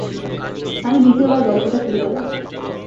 আমি দ্বিতীয় বার গল্পটা শুরু করলাম।